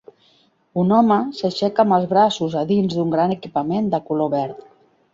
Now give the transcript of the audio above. Un home s'aixeca amb els braços a dins d'un gran equipament de color verd.